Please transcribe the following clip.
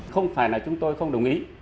không phải là chúng tôi không đồng ý